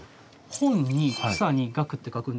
「本」に「草」に「学」って書くんですけど。